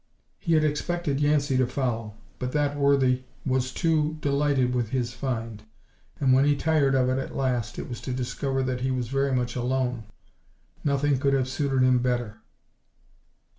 He had expected Yancey to follow, but that worthy was too delighted with his find, and when he tired of it at last it was to discover that he was very much alone. Nothing could have suited him better.